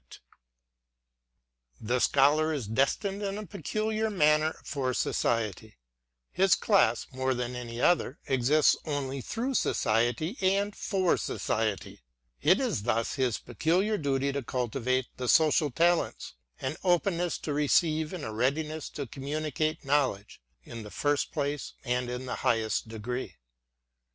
LECTURE iv. The Scholar is destined in i peculiar manner for society: his dan, more than any other, exists only through society and for society j — it is thus his peculiar duty to cultivate the social talents, — an openness to receive, and a readiness to communicate Knowledge, — in the first place and in the highest degree.